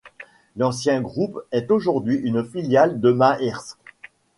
L'ancien groupe est aujourd'hui une filiale de Maersk.